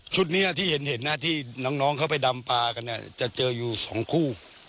ชุดนี้ที่เห็นนะที่น้องเข้าไปดำปลากันเนี่ยจะเจออยู่สองคู่